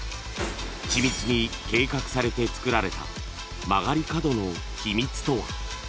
［緻密に計画されてつくられた曲がり角の秘密とは？］